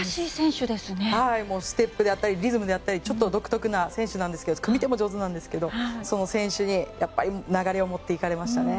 ステップだったりリズムだったりちょっと独特な選手で組み手も上手なんですけどその選手に流れを持っていかれましたね。